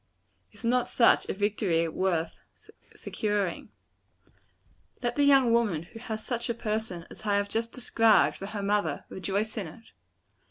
Is not such a victory worth securing? Let the young woman who has such a person as I have just described, for her mother, rejoice in it.